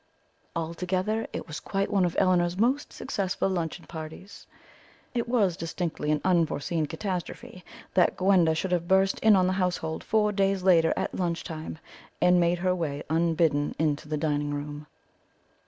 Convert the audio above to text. Altogether it was quite one of Elinor's most successful luncheon parties. It was distinctly an unforeseen catastrophe that Gwenda should have burst in on the household four days later at lunch time and made her way unbidden into the dining room.